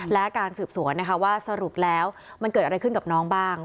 และการสืบสวนนะคะว่าสรุปแล้วมันเกิดอะไรขึ้นกับน้องบ้าง